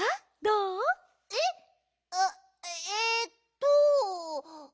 えっ？あっえっと。